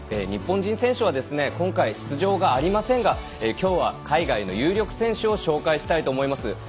日本人選手は今回出場がありませんがきょうは海外の有力選手を紹介したいと思います。